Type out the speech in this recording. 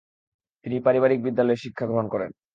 তিনি পারিবারিক বিদ্যালয়ে শিক্ষা গ্রহণ করেন।